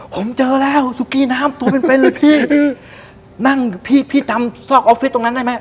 ผมเจอแล้วสุกี้น้ำตัวเป็นเลยพี่นั่งพี่ตามซอกออฟฟิศตรงนั้นได้ไหม